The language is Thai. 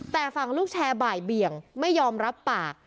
แต่ฝั่งลูกแชร์บ่ายเบี่ยงไม่ยอมรับปาก